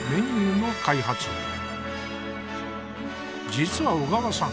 実は小川さん